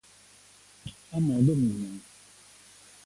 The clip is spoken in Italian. A modo mio